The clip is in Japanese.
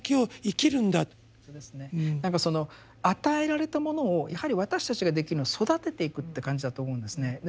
与えられたものをやはり私たちができるのは育てていくって感じだと思うんですね。